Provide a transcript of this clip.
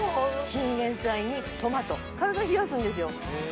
チンゲン菜にトマト体を冷やすんですよ。